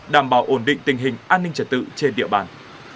đảm bảo ổn định tình hình an ninh trật tự trên địa bàn